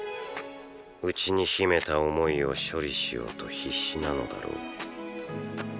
内に秘めた思いを処理しようと必死なのだろう。